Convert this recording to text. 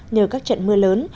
nhờ các trận mưa lớn